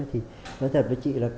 thì nói thật với chị là